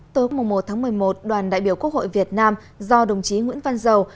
tối một một mươi một đoàn đại biểu quốc hội việt nam do đồng chí nguyễn văn dầu